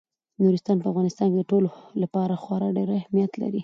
نورستان په افغانستان کې د ټولو لپاره خورا ډېر اهمیت لري.